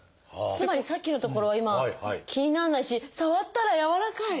つまりさっきの所は今気にならないし触ったら柔らかい！